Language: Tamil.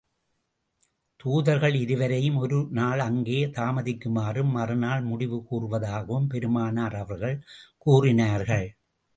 தூதர்கள் இருவரையும் ஒரு நாள் அங்கே தாமதிக்குமாறும், மறு நாள் முடிவு கூறுவதாகவும், பெருமானார் அவர்கள் கூறினார்கள்.